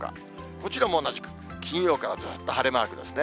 こちらも同じく、金曜からずっと晴れマークですね。